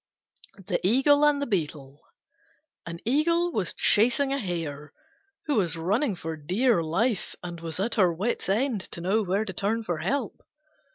THE EAGLE AND THE BEETLE An Eagle was chasing a hare, which was running for dear life and was at her wits' end to know where to turn for help.